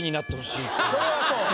そうはそう。